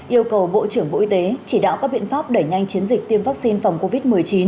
yêu cầu bộ trưởng bộ y tế chỉ đạo các biện pháp đẩy nhanh chiến dịch tiêm vaccine phòng covid một mươi chín